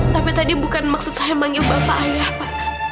tapi tadi bukan maksud saya manggil bapak ayah pak